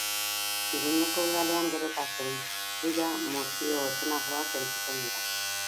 Iruñeko Udalean gero eta zentsura mozioa ozenagoak entzuten dira .